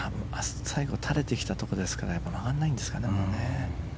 最後、垂れてますから曲がらないんですかね。